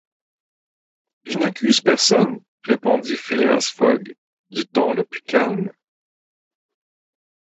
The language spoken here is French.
Je n’accuse personne, répondit Phileas Fogg du ton le plus calme.